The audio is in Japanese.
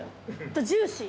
ジューシー。